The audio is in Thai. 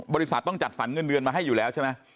บริษัทต้องจัดสรรเงินเดือนมาให้อยู่แล้วใช่ไหม